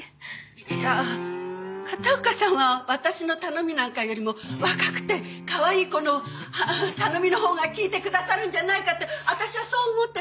いや片岡さんは私の頼みなんかよりも若くてかわいい子の頼みのほうが聞いてくださるんじゃないかって私はそう思って。